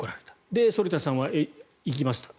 で、反田さんは行きました。